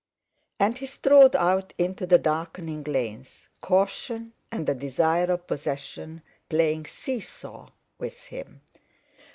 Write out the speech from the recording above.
And he strode out into the darkening lanes, caution and the desire of possession playing see saw within him.